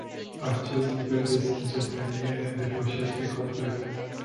Acest nivel de schizofrenie ne depășește complet.